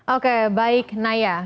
oke baik naya